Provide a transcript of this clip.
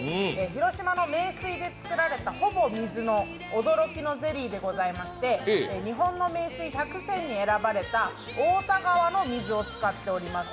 広島の名水で作られたほぼ水の驚きのゼリーでございまして日本の名水百選に選ばれた太田川の水を使っております。